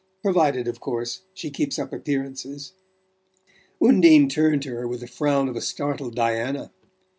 provided, of course, she keeps up appearances..." Undine turned to her with the frown of a startled Diana.